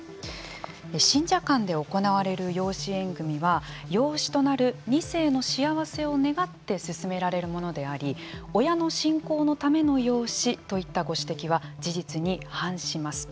信者間で行われる養子縁組は養子となる二世の幸せを願って進められるものであり親の信仰のための養子といったご指摘は事実に反します。